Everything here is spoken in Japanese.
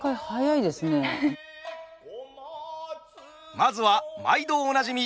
まずは毎度おなじみ